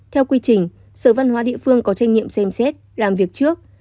theo quy trình sở văn hóa địa phương có trách nhiệm xem xét làm việc trước